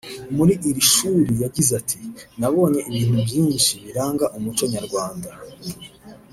muri iri shuri yagize ati ” Nabonye ibintu byinshi biranga umuco nyarwanda